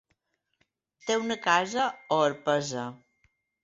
Té una casa a Orpesa.